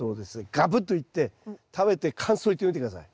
ガブッといって食べて感想を言ってみて下さい。